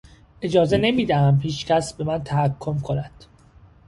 اجازه نمیدهم هیچکس به من تحکم کند!